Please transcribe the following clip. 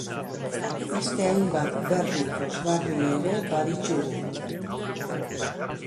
Beste hainbat berri pozgarri ere baditugu!